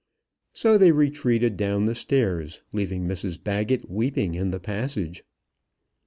So they retreated down the stairs, leaving Mrs Baggett weeping in the passage.